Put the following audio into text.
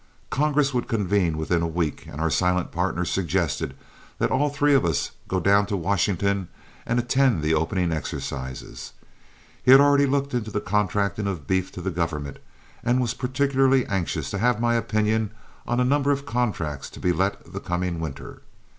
Congress would convene within a week, and our silent partner suggested that all three of us go down to Washington and attend the opening exercises. He had already looked into the contracting of beef to the government, and was particularly anxious to have my opinion on a number of contracts to be let the coming winter.